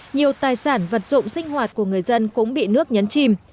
nhiều tài sản vật dụng sinh hoạt của người dân cũng bị nước nhấn chìm